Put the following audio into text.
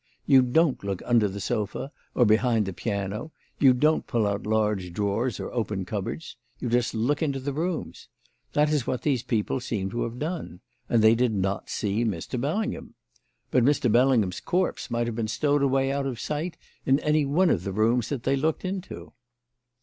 You don't look under the sofa or behind the piano, you don't pull out large drawers or open cupboards. You just look into the rooms. That is what these people seem to have done. And they did not see Mr. Bellingham. But Mr. Bellingham's corpse might have been stowed away out of sight in any one of the rooms that they looked into."